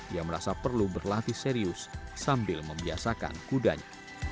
ia merasa perlu berlatih serius sambil membiasakan kudanya